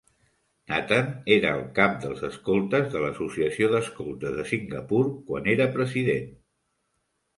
Nathan era el cap dels escoltes de l'Associació d'Escoltes de Singapur quan era president.